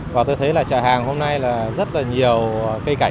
và tôi thấy chợ hàng hôm nay rất nhiều cây cảnh